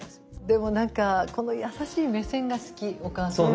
でも何かこの優しい目線が好きお母さんの。